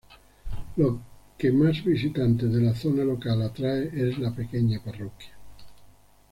Lo que más visitantes de la zona local atrae es la pequeña parroquia.